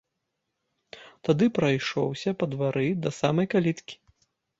Тады прайшоўся па двары да самай каліткі.